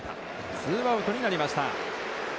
ツーアウトになりました。